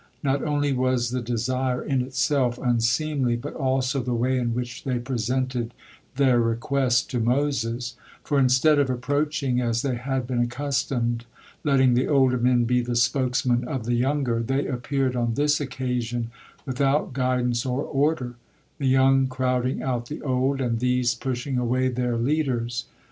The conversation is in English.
Not only was the desire in itself unseemly, but also the way in which they presented their request to Moses; for instead of approaching as they had been accustomed, letting the older men be the spokesmen of the younger they appeared on this occasion without guidance or order, the young crowding out the old, and these pushing away their leaders.